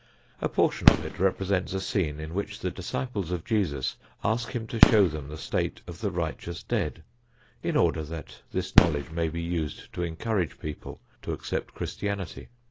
A portion of it represents a scene in which the disciples of Jesus ask him to show them the state of the righteous dead, in order that this knowledge may be used to encourage people to accept Christianity.